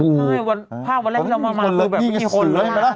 ใช่ภาพวันแรกเรามาคือแบบกี่คน